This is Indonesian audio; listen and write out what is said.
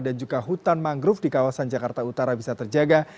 dan juga hutan mangrove di kawasan jakarta utara bisa terjaga